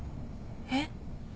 えっ？